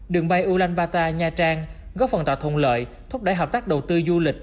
đường bay ulaanbaatar nha trang góp phần tạo thuận lợi thúc đẩy hợp tác đầu tư du lịch